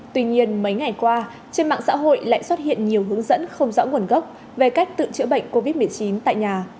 tuy nhiên mấy ngày qua trên mạng xã hội lại xuất hiện nhiều hướng dẫn không rõ nguồn gốc về cách tự chữa bệnh covid một mươi chín tại nhà